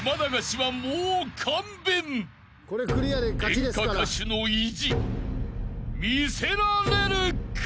［演歌歌手の意地見せられるか］